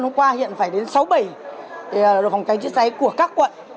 hôm qua hiện phải đến sáu bảy đội phòng cháy chữa cháy của các quận